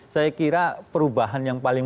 saya kira perubahan yang paling